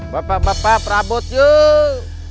bapak bapak perabot yuk